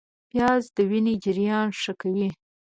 پیاز د وینې جریان ښه کوي